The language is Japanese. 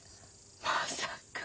まさか。